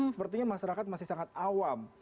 sepertinya masyarakat masih sangat awam